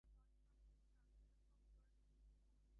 The story is told by a voice-over narrator.